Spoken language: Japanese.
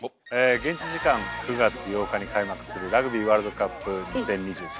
現地時間９月８日に開幕するラグビーワールドカップ２０２３